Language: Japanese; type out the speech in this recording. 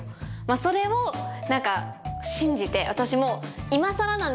それを信じて私も。